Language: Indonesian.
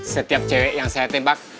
setiap cewek yang saya tembak